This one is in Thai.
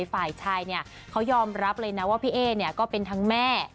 ฝ่ายชายเขายอมรับเลยนะว่าพี่เอ๊ก็เป็นทั้งแม่